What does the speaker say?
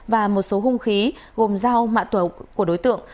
và một số hung khí gồm dao mạ tẩu của đối tượng